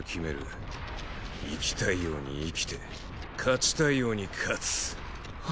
生きたいように生きて勝ちたいように勝つ。